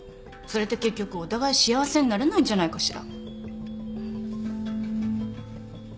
それって結局お互い幸せになれないんじゃないかしら。